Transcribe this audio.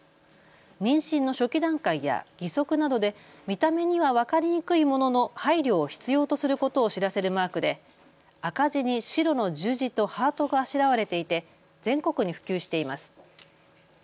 妊娠の初期段階や義足などで見た目には分かりにくいものの配慮を必要とすることを知らせるマークで赤地に白の十字とハートがあしらわれていて全国に普及しています。